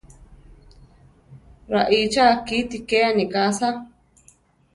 Raícha kíti ke aníka asá!